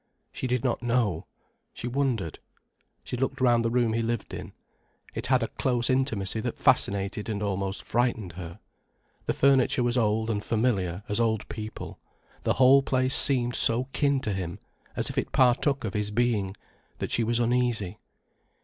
She did not know. She wondered. She looked round the room he lived in. It had a close intimacy that fascinated and almost frightened her. The furniture was old and familiar as old people, the whole place seemed so kin to him, as if it partook of his being, that she was uneasy.